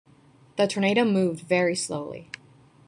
The tornado moved very slowly.